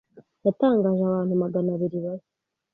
yatangaje abantu Magana abiri bashya